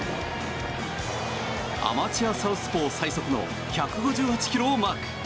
アマチュアサウスポー最速の１５８キロをマーク。